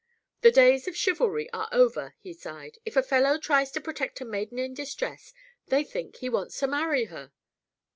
"The days of chivalry are over," he sighed. "If a fellow tries to protect a maiden in distress, they think he wants to marry her."